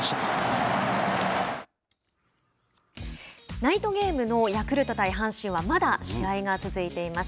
ナイトゲームのヤクルト対阪神はまだ試合が続いています。